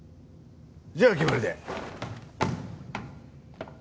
じゃあ決まりだ。